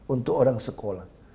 untuk orang sekolah